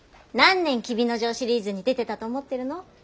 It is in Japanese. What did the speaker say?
何年「黍之丞」シリーズに出てたと思ってるの。